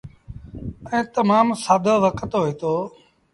ائيٚݩ تمآم سآدو وکت هوئيٚتو۔